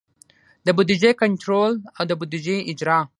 د بودیجې کنټرول او د بودیجې اجرا.